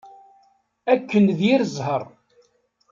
Akken d yir zzheṛ!